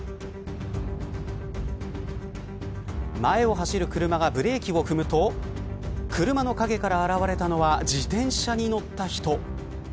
前を走る車がブレーキを踏むと車の影から現れたのは自転車に乗った人。